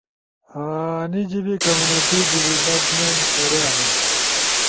انی جیبے کمیونٹی ڈیولپمنٹ کھرے ہنی۔